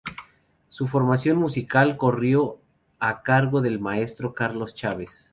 Su formación musical corrió a cargo del maestro Carlos Chávez.